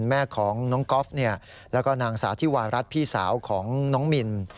แม่ของน้องก๊อฟแล้วก็นางสาวธิวารัฐพี่สาวของน้องมิน